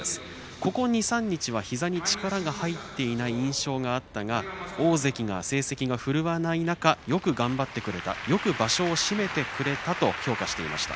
ここ２、３日は膝に力が入っていない印象があったが大関が成績が振るわない中よく頑張ってくれたよく場所を締めてくれたと評価していました。